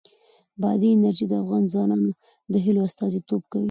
بادي انرژي د افغان ځوانانو د هیلو استازیتوب کوي.